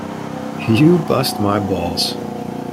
You bust my balls.